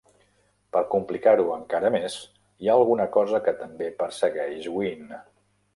Per complicar-ho encara més, hi ha alguna cosa que també persegueix Wynn.